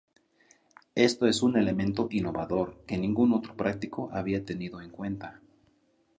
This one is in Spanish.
Esto es un elemento innovador que ningún otro práctico había tenido en cuenta.